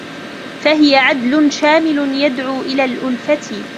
فَهِيَ عَدْلٌ شَامِلٌ يَدْعُو إلَى الْأُلْفَةِ